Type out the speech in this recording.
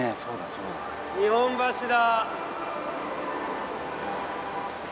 日本橋だ！